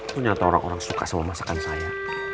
ternyata orang orang suka sama masakan saya